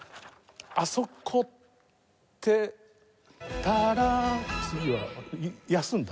あそこって「タラ」次は休んだ？